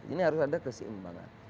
ini harus ada keseimbangan